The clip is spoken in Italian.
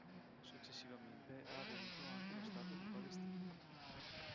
Successivamente ha aderito anche lo Stato di Palestina.